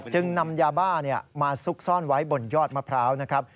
จึงนำยาบ้ามาซุกซ่อนไว้บนยอดมะพร้าวนะครับ